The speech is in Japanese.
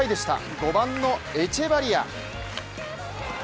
５番のエチェバリア。